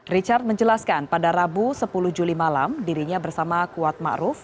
richard menjelaskan pada rabu sepuluh juli malam dirinya bersama kuat ma'ruf